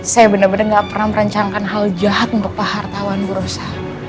saya bener bener gak pernah merancangkan hal jahat untuk pak hartawan bu rosa